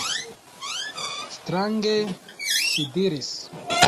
Strange, ŝi diris.